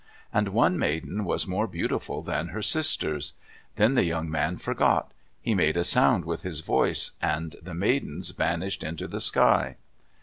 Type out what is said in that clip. And one maiden was more beautiful than her sisters. Then the young man forgot; he made a sound with his voice and the maidens vanished into the sky.